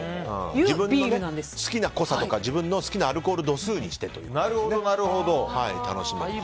自分の好きな濃さとか好きなアルコール度数にして楽しめると。